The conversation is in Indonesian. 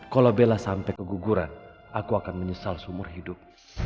kalau bella sampai keguguran aku akan menyesal seumur hidup